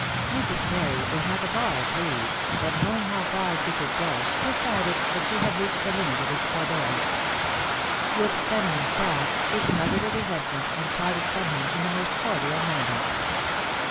Mrs. Parry was not at all pleased, but knowing how far she could go, decided that she had reached the limit of his forbearance. With feminine craft she smothered her resentment, and parted from him in the most cordial manner.